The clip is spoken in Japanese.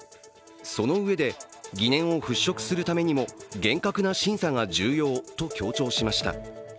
そのうえで、疑念を払拭するためにも厳格な審査が重要と強調しました。